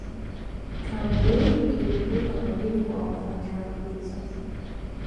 cameroon iliibuka mabingwa wa fainali hizo